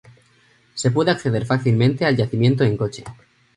Se puede acceder fácilmente al yacimiento en coche.